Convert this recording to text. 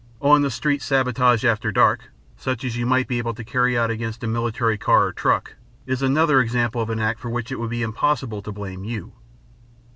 On the street sabotage after dark, such as you might be able to carry out against a military car or truck, is another example of an act for which it would be impossible to blame you.